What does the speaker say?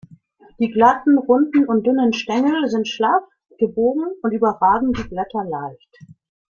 Die glatten, runden und dünnen Stängel sind schlaff, gebogen und überragen die Blätter leicht.